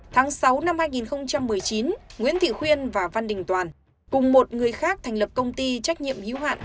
tháng sáu năm hai nghìn một mươi chín nguyễn thị khuyên và văn đình toàn cùng một người khác thành lập công ty trách nhiệm hiếu hạn